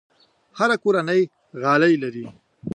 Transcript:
هره کورنۍ غالۍ لري.